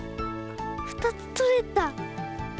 ２つとれた！